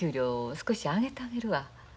少し上げてあげるわ。